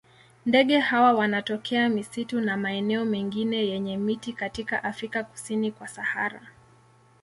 Ndege hawa wanatokea misitu na maeneo mengine yenye miti katika Afrika kusini kwa Sahara.